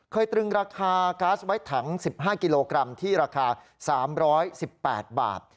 ตรึงราคาก๊าซไว้ถัง๑๕กิโลกรัมที่ราคา๓๑๘บาท